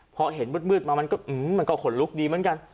พอเห็นมืดมามันก็ขนลุกดีเหมือนกัน